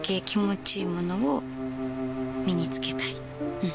うん。